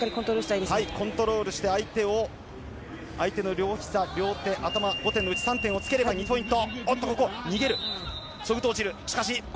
コントロールして相手の両ひざ、両手、頭５点のうち３点をつければ２ポイント。